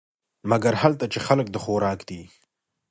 مګر هلته چې خلک د خوراک دي .